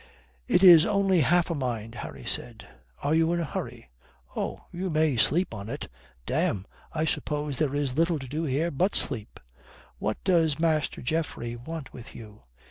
"It is only half a mind," Harry said. "Are you in a hurry?" "Oh, you may sleep on it. Damme, I suppose there is little to do here but sleep. What does Master Geoffrey want with you?